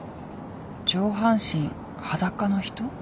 上半身裸の人？